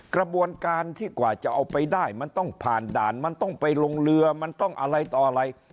กระบวนการที่กว่าจะเอาไปได้มันต้องผ่านด่านมันต้องไปลงเรือมันต้องอะไรต่ออะไร